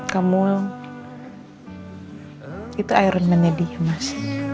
kamu itu iron man nya dia mas